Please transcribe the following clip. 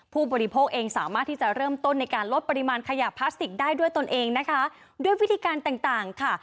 ผู้บริโภคเองสามารถที่จะเริ่มต้นในการลดปริมาณขยะพลาสติกได้ด้วยตนเองนะคะด้วยวิธีการต่างต่างค่ะ